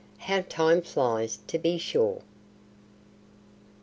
How time flies, to be sure!"